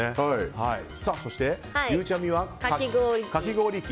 そして、ゆうちゃみはかき氷器。